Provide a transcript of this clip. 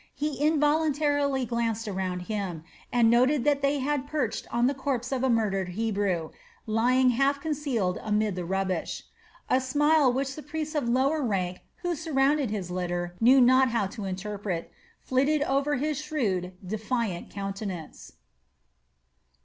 He involuntarily glanced around him and noted that they had perched on the corpse of a murdered Hebrew, lying half concealed amid the rubbish. A smile which the priests of lower rank who surrounded his litter knew not how to interpret, flitted over his shrewd, defiant countenance.